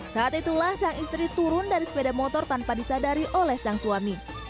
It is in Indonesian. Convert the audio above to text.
saat itulah sang istri turun dari sepeda motor tanpa disadari oleh sang suami